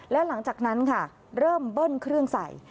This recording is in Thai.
แล้วหลังจากนั้นค่ะเริ่มเบิ้ลเครื่องใส่